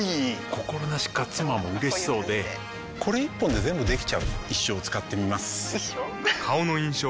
心なしか妻も嬉しそうでこれ一本で全部できちゃう一生使ってみます一生？